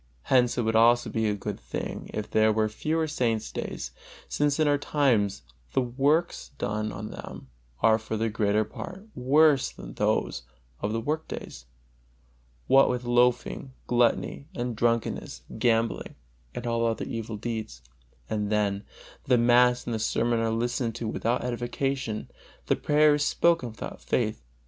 Hence it would also be a good thing if there were fewer saint's days, since in our times the works done on them are for the greater part worse than those of the work days, what with loafing, gluttony, and drunkenness, gambling and other evil deeds; and then, the mass and the sermon are listened to without edification, the prayer is spoken without faith.